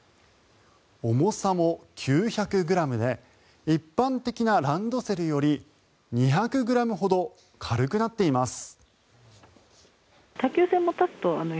重さも９００ｇで一般的なランドセルより２００ｇほど軽くなっています。